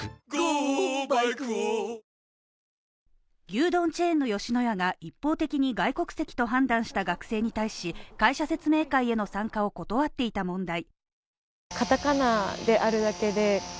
牛丼チェーンの吉野家が、一方的に外国籍と判断した学生に対し会社説明会への参加を断っていた問題。